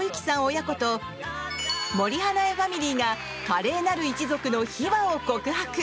親子と森英恵ファミリーが華麗なる一族の秘話を告白。